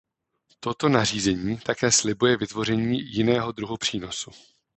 Toto nařízení také slibuje vytvoření jiného druhu přínosu.